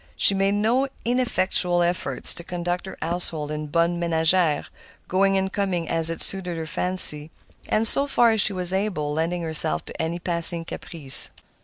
She made no ineffectual efforts to conduct her household en bonne ménagère, going and coming as it suited her fancy, and, so far as she was able, lending herself to any passing caprice.